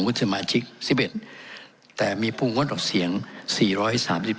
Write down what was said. วุฒิสมาชิกสิบเอ็ดแต่มีภูมิวนออกเสียงสี่ร้อยสามสิบ